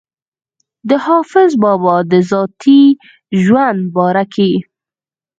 د حافظ بابا د ذاتي ژوند باره کښې